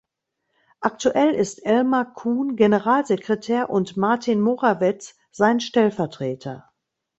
Aktuell ist Elmar Kuhn Generalsekretär und Martin Morawetz sein Stellvertreter.